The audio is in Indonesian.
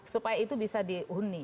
supaya itu bisa dihuni